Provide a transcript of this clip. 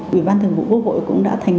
ủy ban thượng vụ quốc hội cũng đã thành